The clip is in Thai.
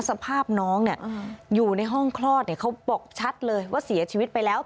สภาพน้องเนี่ยอยู่ในห้องคลอดเนี่ยเขาบอกชัดเลยว่าเสียชีวิตไปแล้ว